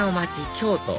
京都